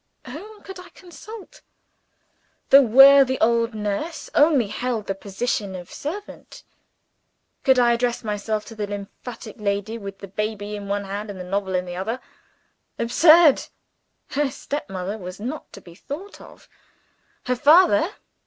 Whom could I consult? The worthy old nurse only held the position of servant. Could I address myself to the lymphatic lady with the baby in one hand, and the novel in the other? Absurd! her stepmother was not to be thought of. Her father?